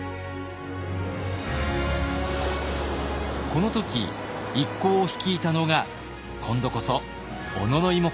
この時一行を率いたのが今度こそ小野妹子でした。